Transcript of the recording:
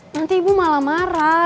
nanti ibu malah marah